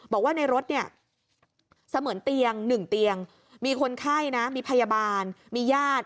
บอกว่าในรถเนี่ยเสมือนเตียง๑เตียงมีคนไข้นะมีพยาบาลมีญาติ